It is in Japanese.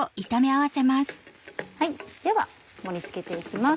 では盛り付けて行きます。